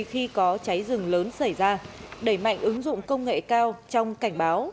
khi có cháy rừng lớn xảy ra đẩy mạnh ứng dụng công nghệ cao trong cảnh báo